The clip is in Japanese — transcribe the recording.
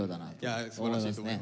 すばらしいですね。